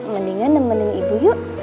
mendingan nemenin ibu yuk